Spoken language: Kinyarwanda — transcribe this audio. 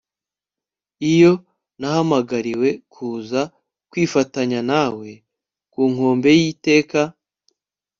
iyo nahamagariwe kuza kwifatanya nawe ku nkombe y'iteka